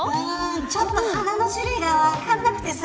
ちょっと花の種類が分からなくてさ。